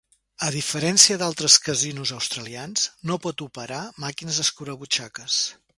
A diferència d'altres casinos australians, no pot operar màquines escurabutxaques.